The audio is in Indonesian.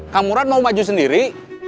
kang murad mau maju sendiri